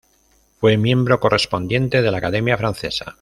Fue miembro correspondiente de la Academia Francesa.